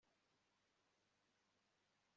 urimo ukora ibintu byiza